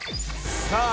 さあ